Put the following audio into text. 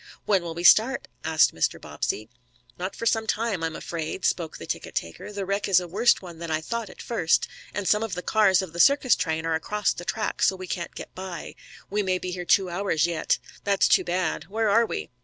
"When will we start?" asked Mr. Bobbsey. "Not for some time, I'm afraid," spoke the tickettaker. "The wreck is a worse one than I thought at first, and some of the cars of the circus train are across the track so we can't get by. We may be here two hours yet." "That's too bad. Where are we?"